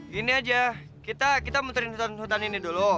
gini aja kita muterin hutan hutan ini dulu